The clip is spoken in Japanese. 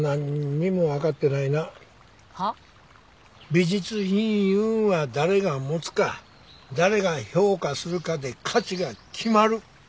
美術品いうんは誰が持つか誰が評価するかで価値が決まる。